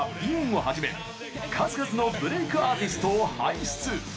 ‐をはじめ数々のブレイクアーティストを輩出！